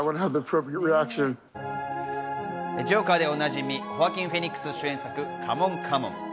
『ジョーカー』でおなじみ、ホアキン・フェニックス主演作『カモンカモン』。